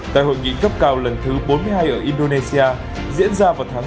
tại hội nghị cấp cao lần thứ bốn mươi hai ở indonesia diễn ra vào tháng năm